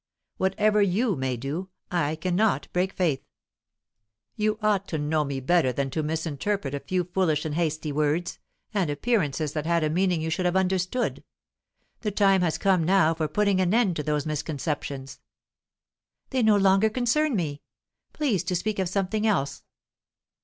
Whatever you may do, I cannot break faith. You ought to know me better than to misinterpret a few foolish and hasty words, and appearances that had a meaning you should have understood. The time has come now for putting an end to those misconceptions." "They no longer concern me. Please to speak of something else."